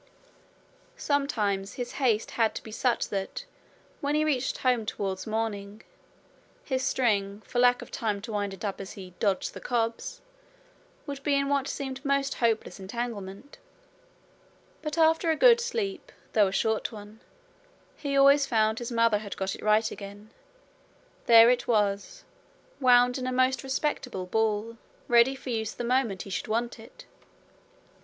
Sometimes his haste had to be such that, when he reached home towards morning, his string, for lack of time to wind it up as he 'dodged the cobs', would be in what seemed most hopeless entanglement; but after a good sleep, though a short one, he always found his mother had got it right again. There it was, wound in a most respectable ball, ready for use the moment he should want it!